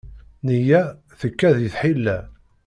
Nneyya tekka di tḥila.